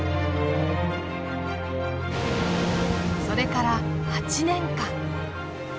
それから８年間。